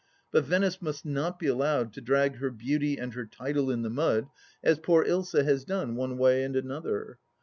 But Venice must not be allowed to drag her beauty and her title in the mud as poor Ilsa has done one way and another.